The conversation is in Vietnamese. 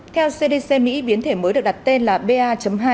theo cdc mỹ biến thể mới được đặt tên là ba hai tám mươi sáu